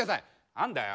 何だよ？